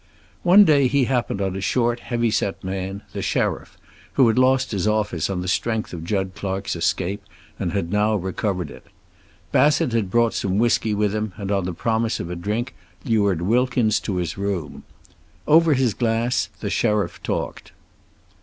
One day he happened on a short, heavy set man, the sheriff, who had lost his office on the strength of Jud Clark's escape, and had now recovered it. Bassett had brought some whisky with him, and on the promise of a drink lured Wilkins to his room. Over his glass the sheriff talked.